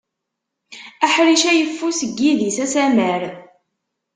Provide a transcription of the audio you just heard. Aḥric ayeffus n yidis asamar.